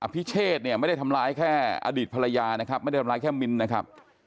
พิเชษเนี่ยไม่ได้ทำร้ายแค่อดีตภรรยานะครับไม่ได้ทำร้ายแค่มิ้นนะครับ